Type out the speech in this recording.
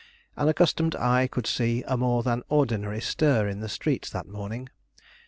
An accustomed eye could see a more than ordinary stir in the streets that morning.